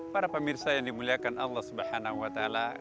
para pemirsa yang dimuliakan allah swt